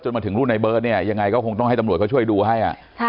มาถึงรุ่นในเบิร์ตเนี่ยยังไงก็คงต้องให้ตำรวจเขาช่วยดูให้